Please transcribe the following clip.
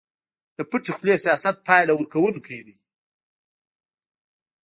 د پټې خولې سياست پايله ورکوونکی دی.